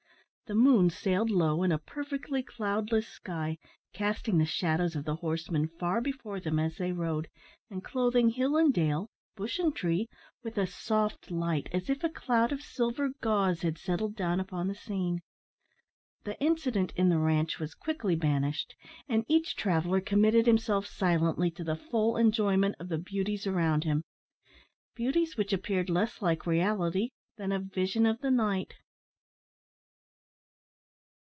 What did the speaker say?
The moon sailed low in a perfectly cloudless sky, casting the shadows of the horsemen far before them as they rode, and clothing hill and dale, bush and tree, with a soft light, as if a cloud of silver gauze had settled down upon the scene. The incident in the ranche was quickly banished, and each traveller committed himself silently to the full enjoyment of the beauties around him beauties which appeared less like reality than a vision of the night.